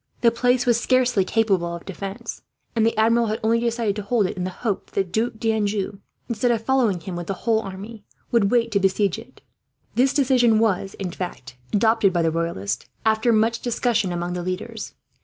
The place was scarcely capable of defence, and the Admiral had only decided to hold it in the hope that the Duc d'Anjou, instead of following him with his whole army, would wait to besiege it. This decision was, in fact, adopted by the Royalists, after much discussion among the leaders.